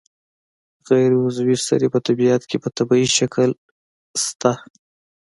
غیر عضوي سرې په طبیعت کې په طبیعي شکل شته دي.